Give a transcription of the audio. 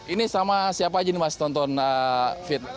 ini sama siapa aja nih mas tonton feed